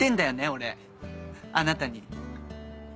俺あなたに。